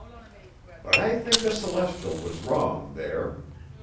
But I think the Celestial was wrong there.